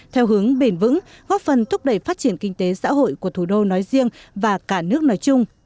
theo hướng bền vững góp phần thúc đẩy phát triển kinh tế xã hội của thủ đô nói riêng và cả nước nói chung